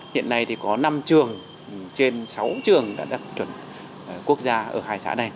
hiện nay thì có năm trường trên sáu trường đã đặt chuẩn quốc gia ở hai xã này